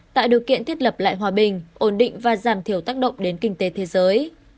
tạo điều kiện thiết lập lại hòa bình ổn định và giảm thiểu tác động đến kinh tế thế giới